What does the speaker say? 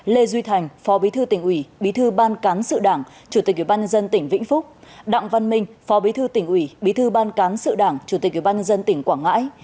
lê duy thành phó bí thư tỉnh ủy bí thư ban cán sự đảng chủ tịch ủy ban nhân dân tỉnh vĩnh phúc đặng văn minh phó bí thư tỉnh ủy bí thư ban cán sự đảng chủ tịch ủy ban nhân dân tỉnh quảng ngãi